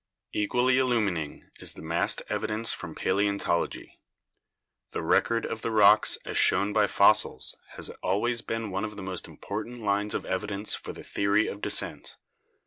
Equally illumining is the massed evidence from Paleon tology. The record of the rocks as shown by fossils has always been one of the most important lines of evidence for the theory of descent.